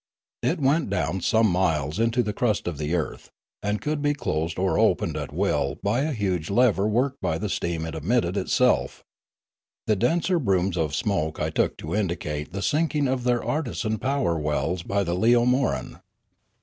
It went down some miles into the crust of the earth, and could be closed or opened at will by a huge lever worked by the steam it emitted itself. The denser brooms of smoke I took to indicate the sinking of their artesian power wells by the leomoran.